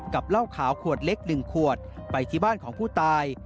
เหล้าขาวขวดเล็ก๑ขวดไปที่บ้านของผู้ตาย